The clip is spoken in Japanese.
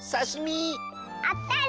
あったり！